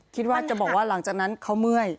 คิดว่าจะบอกว่าหลังจากนั้นเขาเมื่อย